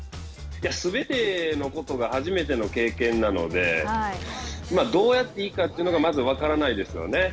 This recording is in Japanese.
すべてのことが初めての経験なのでどうやっていいかというのがまず、分からないですよね。